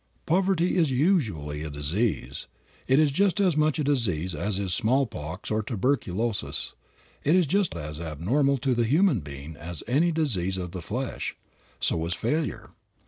Poverty is usually a disease. It is just as much a disease as is smallpox or tuberculosis. It is just as abnormal to the human being as any disease of the flesh. So is failure.